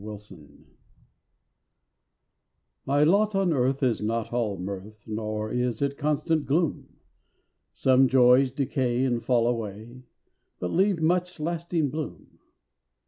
MY LOT My lot on earth is not all mirth, Nor is it constant gloom; Some joys decay and fall away, But leave much lasting bloom.